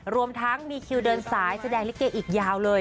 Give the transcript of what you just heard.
รวมทั้งมีคิวเดินสายแสดงลิเกอีกยาวเลย